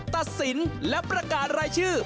ตัดสินและประกาศรายชื่อ